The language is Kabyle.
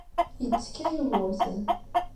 Yettekka Yugurten.